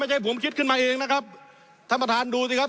ไม่ใช่ผมคิดขึ้นมาเองนะครับท่านประธานดูสิครับ